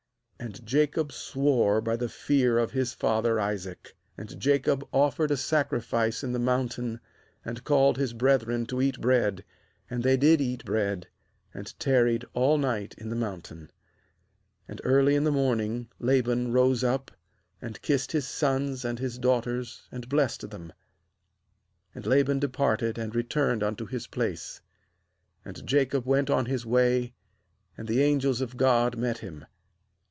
And Jacob swore by the Fear of his father Isaac. MAnd Jacob offered a sacrifice in the mountain, and called his brethren to eat bread; and they did eat bread, and tarried all night in the mountain, O O And early in the morning Laban ^^ rose up, and kissed his sons and his daughters, and blessed them. And Laban departed, and returned unto his place. 2And Jacob went on his way, and the angels of God met him.